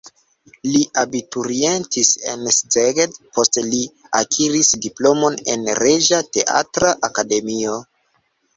Li abiturientis en Szeged, poste li akiris diplomon en Reĝa Teatra Akademio.